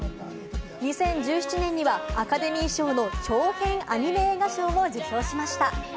２０１７年にはアカデミー賞の長編アニメ映画賞も受賞しました。